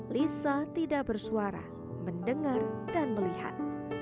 lisa tidak bersuara mendengar dan melihat